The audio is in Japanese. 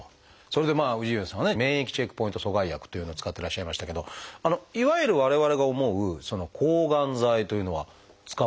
それで氏家さんはね免疫チェックポイント阻害薬というのを使ってらっしゃいましたけどいわゆる我々が思う抗がん剤というのは使わないということでしょうか？